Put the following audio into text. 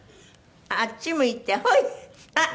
あっち向いてほい！